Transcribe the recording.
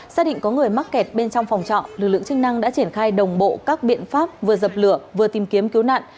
xác định có người mắc kẹt bên trong phòng trọ lực lượng chức năng đã triển khai đồng bộ các biện pháp vừa dập lửa vừa tìm kiếm cứu nạn